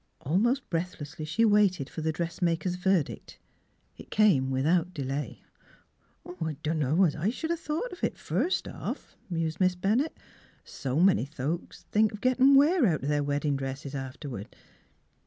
Almost breathlessly she waited for the dressmaker's verdict. It came without delay. " I dunno's I should have thought of it, first off," mused Miss Bennett. " So many folks think of gettin' wear out of their weddin' dresses afterward.